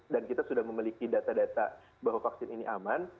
dan kita sudah memiliki data data bahwa vaksin ini aman